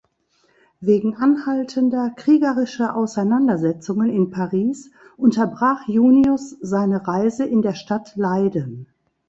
Wegen anhaltender kriegerischer Auseinandersetzungen in Paris, unterbrach Junius seine Reise in der Stadt Leiden.